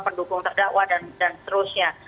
pendukung terdakwa dan seterusnya